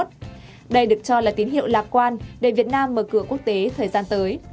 đây được cho là tín hiệu lạc quan để việt nam mở cửa quốc tế thời gian tới